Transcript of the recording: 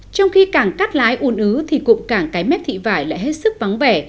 trong khi cảng cắt lái un ứ thì cụm cảng cái mép thị vải lại hết sức vắng vẻ